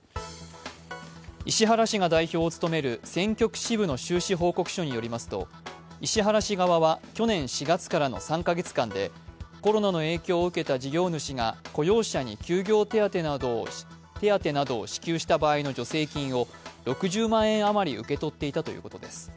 石原氏が代表を務める選挙区支部の収支報告書によりますと石原氏側は去年４月からの３カ月間で、コロナの影響を受けた事業主が雇用者に休業手当などを支給した場合の助成金を６０万円あまり受け取っていたということです。